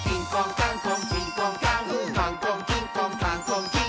「カンコンキンコンカンコンキン！」